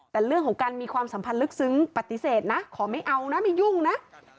แต่เรื่องของการมีความสัมพันธ์ลึกซึ้งปฏิเสธนะขอไม่เอานะไม่ยุ่งนะ